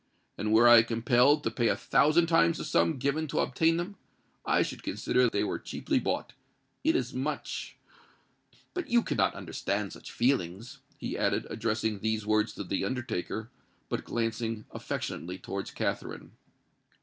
And were I compelled to pay a thousand times the sum given to obtain them, I should consider they were cheaply bought, inasmuch——But you cannot understand such feelings!" he added, addressing these words to the undertaker, but glancing affectionately towards Katherine.